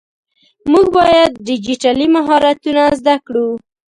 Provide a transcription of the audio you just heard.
مونږ باید ډيجيټلي مهارتونه زده کړو.